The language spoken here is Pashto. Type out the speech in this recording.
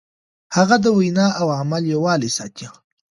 هغه د وينا او عمل يووالی ساته.